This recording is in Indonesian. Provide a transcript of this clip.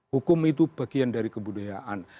hukum itu bagian dari kebudayaan